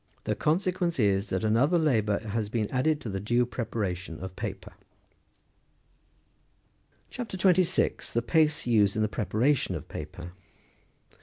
The consequence is, that another labour has been added to the due preparation of paper. CHAP. 26. THE PASTE USED IN THE PREPARATION OF PAPER.